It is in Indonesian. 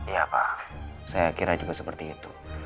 ya pak saya kira juga seperti itu